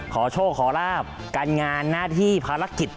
ขอโชคขอลาบการงานหน้าที่ภารกิจ